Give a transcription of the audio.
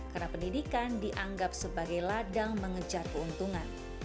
karena pendidikan dianggap sebagai ladang mengejar keuntungan